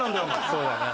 そうだな。